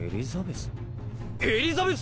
エリザベス？